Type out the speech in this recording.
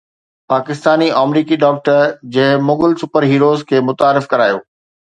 پاڪستاني آمريڪي ڊاڪٽر جنهن Mughal super heroes کي متعارف ڪرايو